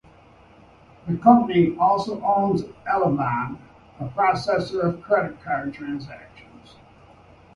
The company also owns Elavon, a processor of credit card transactions.